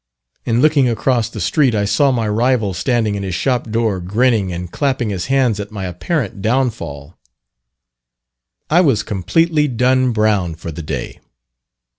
In looking across the street, I saw my rival standing in his shop door, grinning and clapping his hands at my apparent downfall. I was completely "done Brown" for the day.